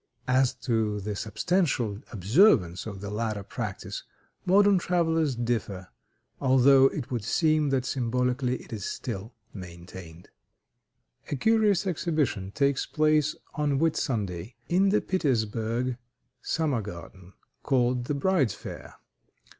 As to the substantial observance of the latter practice modern travelers differ, although it would seem that symbolically it is still maintained. A curious exhibition takes place on Whitsunday in the Petersburg summer garden, called "The Bride's Fair."